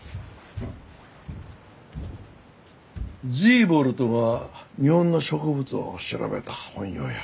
ズィーボルトが日本の植物を調べた本よや。